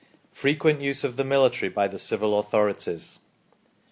FREQUENT USE OF THE MILITARY BY THE CIVIL AUTHORITIES.